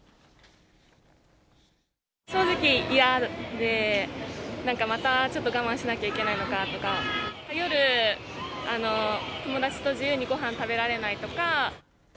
正直嫌で、なんかまだちょっと我慢しなきゃいけないのかとか、夜、友達と自由にごはん食べられないとか。